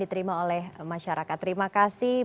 diterima oleh masyarakat terima kasih